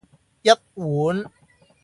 一碗